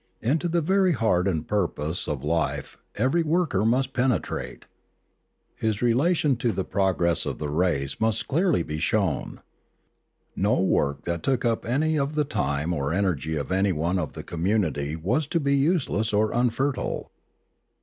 Into the very heart and purpose of life every worker must penetrate. His relation to the progress of the race must be clearly shown. No work that took up any of the time or energy of anyone of the community was to be useless or unfertile.